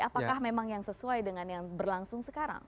apakah memang yang sesuai dengan yang berlangsung sekarang